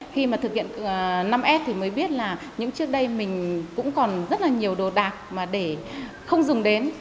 khi mà thực hiện năm s thì mới biết là những trước đây mình cũng còn rất là nhiều đồ đạc mà để không dùng đến